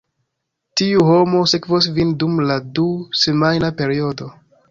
Tiu homo sekvos vin dum la du-semajna periodo.